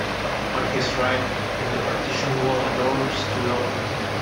On his right in the partition wall a door stood open.